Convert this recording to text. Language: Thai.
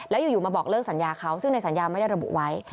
แล้วอยู่มาบอกเลิกสัญญาเขาซึ่งในสัญญาไม่ได้ระบุไว้